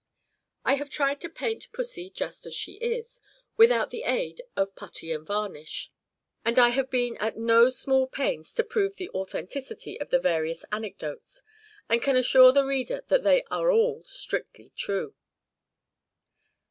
I have tried to paint pussy just as she is, without the aid of "putty and varnish;" and I have been at no small pains to prove the authenticity of the various anecdotes, and can assure the reader that they are all strictly true.